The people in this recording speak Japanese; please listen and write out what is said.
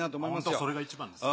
それが一番ですね。